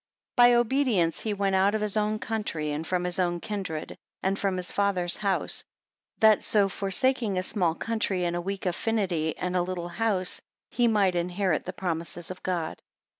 5 By obedience he went out of his own country, and from his own kindred, and from his father's house; that so forsaking a small country, and a weak affinity, and a little house, he might inherit the promises of God.